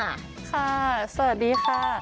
โอเคสวัสดีค่ะ